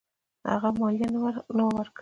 هغه مالیه نه وه ورکړې.